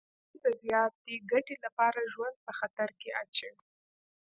پانګوال د زیاتې ګټې لپاره ژوند په خطر کې اچوي